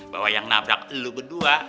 bahwa yang nabrak itu berdua